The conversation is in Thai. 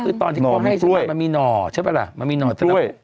คือจริงตอนที่เขาให้นั่นมีหน่อใช่ป่าวหรืออ่ะ